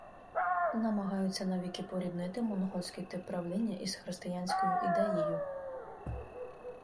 Намагаються навіки поріднити монгольський тип правління із християнською ідеєю